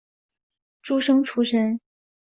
诸生出身。